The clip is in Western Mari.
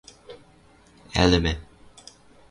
– Ӓлӹмӓ.